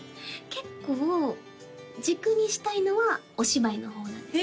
結構軸にしたいのはお芝居の方なんですね